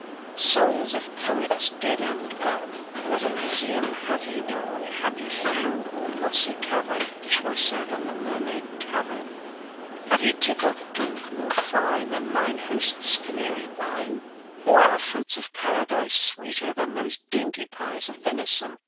Souls of Poets dead and gone, What Elysium have ye known, Happy field or mossy cavern, Choicer than the Mermaid Tavern? Have ye tippled drink more fine Than mine host's Canary wine? Or are fruits of Paradise Sweeter than those dainty pies Of venison?